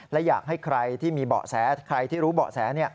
และอยากให้ใครที่มีเบาะแสใครที่รู้เบาะแส